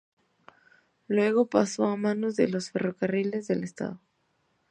Luego pasó a manos de los Ferrocarriles del Estado.